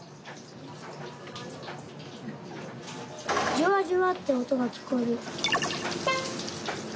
ジュワジュワっておとがきこえる。